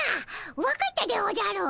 分かったでおじゃる。